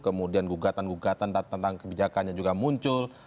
kemudian gugatan gugatan tentang kebijakan yang muncul